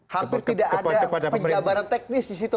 hampir tidak ada penjabaran teknis disitu mas budi